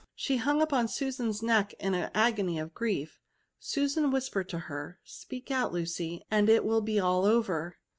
She hung upon Susan's neck in an agony of grief ; Susan whispered to her, " Speak out, Lucy, and it will be all over.